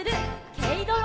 「けいどろ」